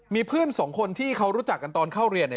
มีเพื่อน๒คนที่เขารู้จักกันตอนเข้าเรียน